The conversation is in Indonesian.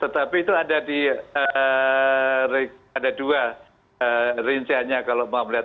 tetapi itu ada di ada dua rinciannya kalau mau melihat